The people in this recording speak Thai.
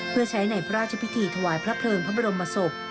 เพื่อใช้ในพระราชพิธีถวายพระเพลิงพระบรมศพ